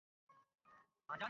Ahmad Shakir এটি সংশোধন করেছেন।